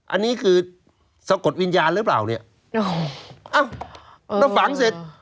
อันนี้คือสะกดวิญญาณหรือเปล่าเนี่ยอ้าวถ้าฝังเสร็จ